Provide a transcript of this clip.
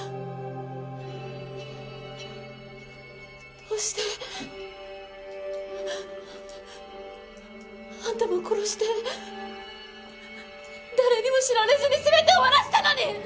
どうして？あんたも殺して誰にも知られずに全て終わらせたのに！